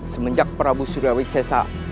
semenjak prabu surawi sesa